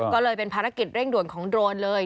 ก็เลยเป็นภารกิจเร่งด่วนของโดรนเลย